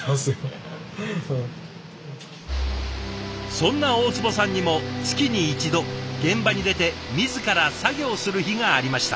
そんな大坪さんにも月に１度現場に出て自ら作業する日がありました。